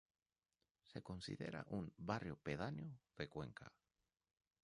Se considera un "barrio pedáneo" de Cuenca.